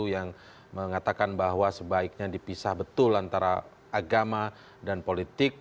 yang mengatakan bahwa sebaiknya dipisah betul antara agama dan politik